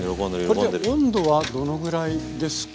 これで温度はどのぐらいですか？